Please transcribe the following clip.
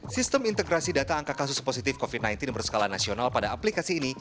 sistem integrasi data angka kasus positif covid sembilan belas berskala nasional pada aplikasi ini